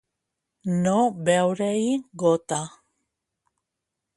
No veure-hi gota.